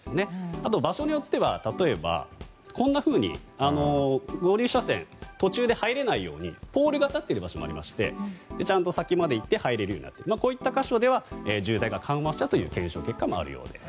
あと場所によっては例えばこんなふうに合流車線途中で入れないようにポールが立っている場所がありまして先までいって入れるようになっている箇所では渋滞が緩和したという検証結果もあるそうです。